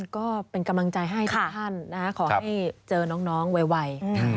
ก็เป็นกำลังใจให้ทุกท่านขอให้เจอน้องไว